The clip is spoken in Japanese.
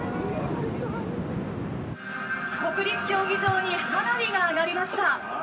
「国立競技場に花火が上がりました」。